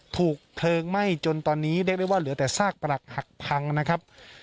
ถูกเพลิงไหม้จนตอนนี้เรียกได้ว่าเหลือแต่ซากปรักหักพังนะครับ